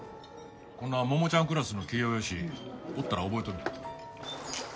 こんな桃ちゃんクラスの器量よしおったら覚えとる。